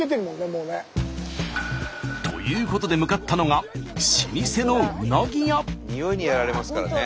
もうね。ということで向かったのがにおいにやられますからね。